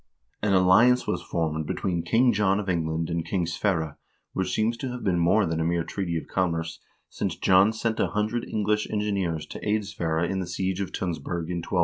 An alliance was formed between King John of Eng land and King Sverre, which seems to have been more than a mere treaty of commerce, since John sent a hundred English engineers to aid Sverre in the siege of Tunsberg in 1201.